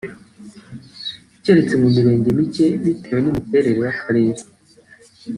keretse mu Mirenge mike bitewe n’imiterere y’Akarere